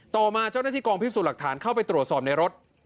ต่อมาเจ้าหน้าที่กองพิสูจน์หลักฐานเข้าไปตรวจสอบในรถ